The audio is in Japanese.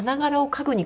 家具に？